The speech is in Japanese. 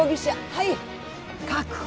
はい確保。